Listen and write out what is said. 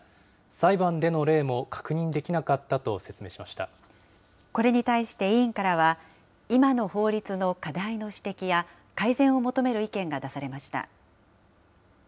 裁判での例も確認できなかったとこれに対して委員からは、今の法律の課題の指摘や、改善を求める意見が出されました。